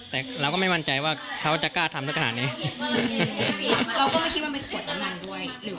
แต่เราก็ไม่มั่นใจว่าเขาจะกล้าทำได้ขนาดนี้เราก็ไม่คิดว่าเป็นขวดน้ำมันด้วย